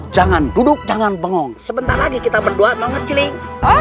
jangan duduk jangan bengong sebentar lagi kita berdoa banget chilling